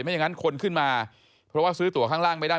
อย่างนั้นคนขึ้นมาเพราะว่าซื้อตัวข้างล่างไม่ได้